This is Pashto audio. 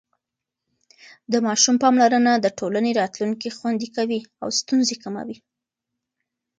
د ماشوم پاملرنه د ټولنې راتلونکی خوندي کوي او ستونزې کموي.